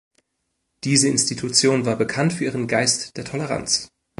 Diese Institution war bekannt für ihren Geist der Toleranz.